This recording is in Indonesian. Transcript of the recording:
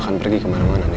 aku gak bisa ketemu mama lagi